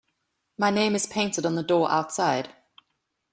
My name is painted on the door outside.